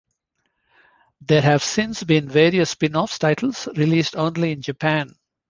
There have since been various spin-off titles released only in Japan.